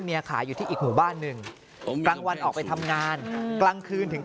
ขายอยู่ที่อีกหมู่บ้านหนึ่งกลางวันออกไปทำงานกลางคืนถึง